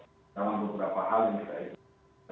dalam beberapa hal kita itu